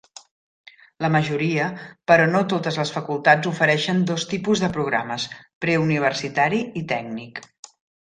La majoria, però no totes les facultats ofereixen dos tipus de programes: preuniversitari i tècnic.